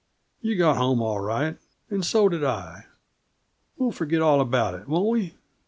You got home all right, and so did I. We'll forget all about it. Won't we?"